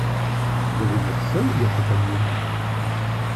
Tu vas venir seul ou accompagné?